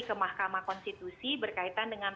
ke mahkamah konstitusi berkaitan dengan